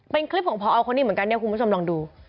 เป็นคลิปของพอคนนี้เหมือนกันเนี่ยคุณผู้ชมลองดู